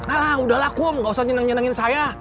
alah udahlah kum gak usah nyenengin nyenengin saya